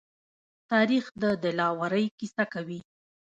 تاریخ د دلاورۍ قصه کوي.